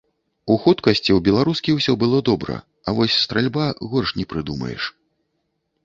У хуткасці ў беларускі ўсё было добра, а вось стральба горш не прыдумаеш.